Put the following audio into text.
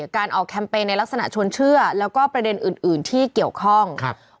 การออกแคมเปญในลักษณะชวนเชื่อแล้วก็ประเด็นอื่นที่เกี่ยวข้องครับ